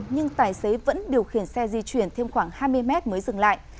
nhưng tài xế vẫn điều khiển xe di chuyển thêm khoảng hai mươi mét mới dừng lại